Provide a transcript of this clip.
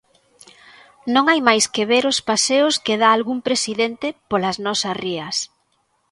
Non hai máis que ver os paseos que dá algún presidente polas nosas rías.